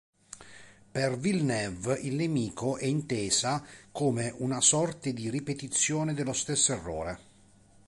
Per Villeneuve, il nemico è intesa come una sorte di ripetizione dello stesso errore.